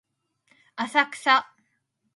浅草